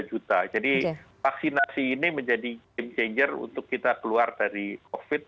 jadi vaksinasi ini menjadi game changer untuk kita keluar dari covid